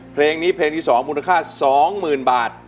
เพลงนี้เพลงที่๒มูลค่า๒๐๐๐บาท